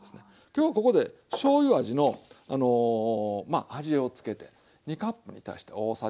今日ここでしょうゆ味の味をつけて２カップに対して大さじ３ですわ。